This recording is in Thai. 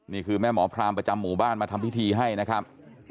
นี่คือแม่หมอพรามประจำหมู่บ้านมาทำพิธีให้นะครับ